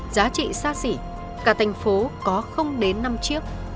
giá trị xa xỉ cả thành phố có đến năm chiếc